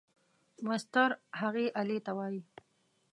مسطر هغې آلې ته وایي.